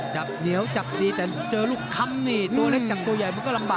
จับเหนียวจับดีแต่เจอลูกคำนี่